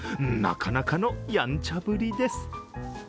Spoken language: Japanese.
なかなかの、やんちゃぶりです。